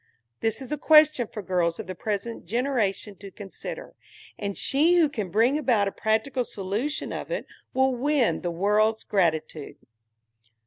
This is a question for girls of the present generation to consider, and she who can bring about a practical solution of it will win the world's gratitude.